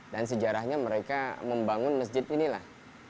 dan sejarahnya mereka membangun masjid inilah